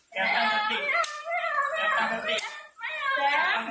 แซมแซมซม